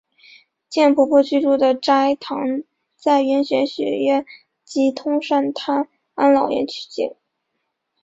贱婆婆居住的斋堂在圆玄学院及通善坛安老院取景。